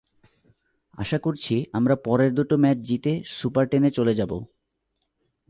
আশা করছি, আমরা পরের দুটো ম্যাচ জিতে সুপার টেনে চলে যাব।